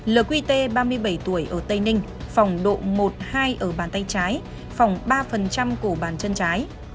l q t ba mươi bảy tuổi ở tây ninh phỏng độ một hai ở bàn tay trái phỏng ba cổ bàn chân trái